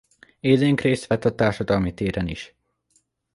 Élénk részt vett a társadalmi téren is.